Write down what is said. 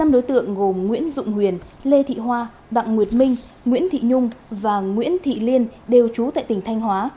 năm đối tượng gồm nguyễn dụng huyền lê thị hoa đặng nguyệt minh nguyễn thị nhung và nguyễn thị liên đều trú tại tỉnh thanh hóa